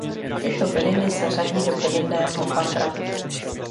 Tyto byliny se řadí do bylinného patra.